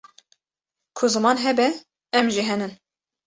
ku ziman hebe em jî henin